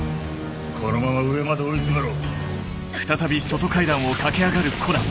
このまま上まで追い詰めろ。